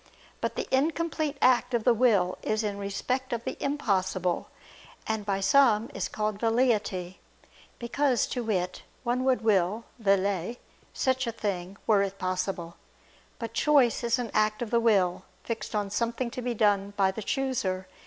But the incomplete act of the will is in respect of the impossible; and by some is called "velleity," because, to wit, one would will (vellet) such a thing, were it possible. But choice is an act of the will, fixed on something to be done by the chooser.